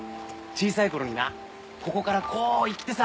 小さい頃になここからこう行ってさ。